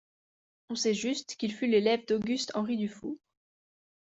On sait juste qu'il fut l'élève d'Auguste Henri Dufour.